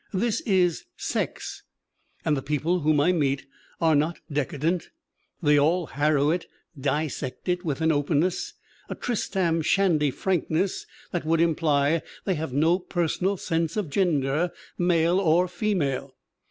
This is 'sex/ '"and the people whom I meet are not deca dent. They all harrow it, dissect it with an openness, a Tristram Shandy frankness that would imply they have no personal sense of gender, male or female.